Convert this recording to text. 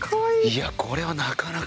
いやこれはなかなか。